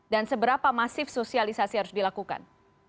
dan seberapa masif sosialisasi harus dilakukan